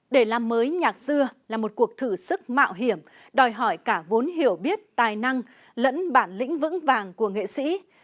để làm mới nhạc xưa là một cuộc thử sức mạo hiểm đòi hỏi cả vốn hiểu biết tài năng lẫn bản lĩnh vững vàng của nghệ sĩ